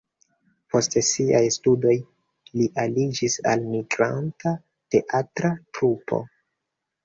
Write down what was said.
Post siaj studoj li aliĝis al migranta teatra trupo.